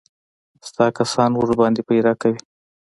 ستا کسان ورباندې پيره کوي.